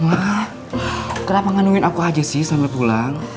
ma kenapa ngandungin aku aja sih sampe pulang